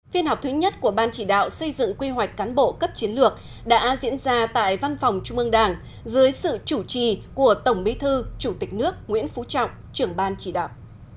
phiên họp thứ nhất của ban chỉ đạo xây dựng quy hoạch cán bộ cấp chiến lược đã diễn ra tại văn phòng trung ương đảng dưới sự chủ trì của tổng bí thư chủ tịch nước nguyễn phú trọng trưởng ban chỉ đạo